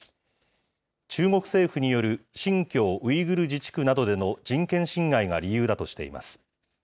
中国政府による新疆ウイグル自治区などでの人権侵害が理由だとしています。